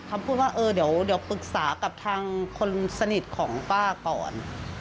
คำพูดว่าเออเดี๋ยวปรึกษากับทางคนสนิทของป้าก่อน